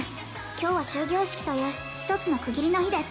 「今日は終業式という一つの区切りの日です」